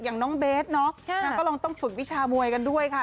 อย่างน้องเบสเนาะนางก็ลองต้องฝึกวิชามวยกันด้วยค่ะ